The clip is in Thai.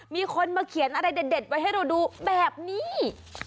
มีคนมาเขียนอะไรเด็ดไว้ให้เราดูแบบนี้